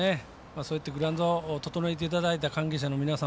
そうやってグラウンドを整えていただいた関係者の皆さん